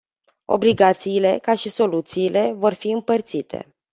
Obligațiile, ca și soluțiile, vor fi împărțite.